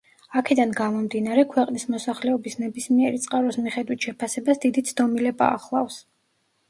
აქედან გამომდინარე, ქვეყნის მოსახლეობის ნებისმიერი წყაროს მიხედვით შეფასებას დიდი ცდომილება ახლავს.